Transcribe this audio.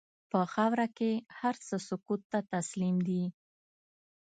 په خاوره کې هر څه سکوت ته تسلیم دي.